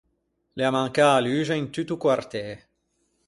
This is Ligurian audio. L’é ammancâ a luxe in tutto o quartê.